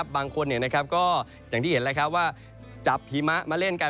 บางคนก็อย่างที่เห็นว่าจับหิมะมาเล่นกัน